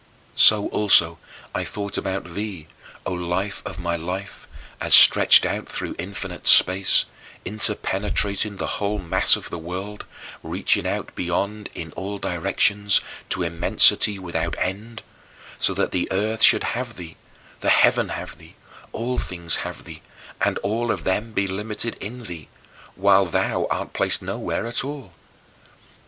So also I thought about thee, O Life of my life, as stretched out through infinite space, interpenetrating the whole mass of the world, reaching out beyond in all directions, to immensity without end; so that the earth should have thee, the heaven have thee, all things have thee, and all of them be limited in thee, while thou art placed nowhere at all.